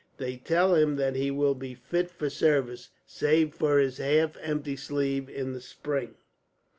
They tell him that he will be fit for service, save for his half empty sleeve, in the spring.